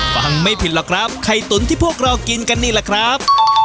ฟังไม่ผิดหรอกครับไข่ตุ๋นที่พวกเรากินกันนี่แหละครับ